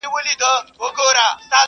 غوړه مال کړي ژوند تباه د انسانانو؛